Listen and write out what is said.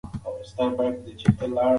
هغې په بې وسۍ سره خپل موبایل په لاس کې ونیو.